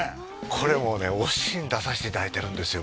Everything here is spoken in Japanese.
これもうね「おしん」出させていただいてるんですよ